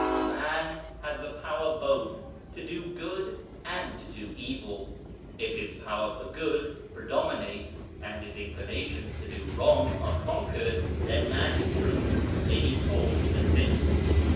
Man has the power both to do good and to do evil ; if his power for good predominates and his inclinations to do wrong are conquered, then man in truth may be called a saint.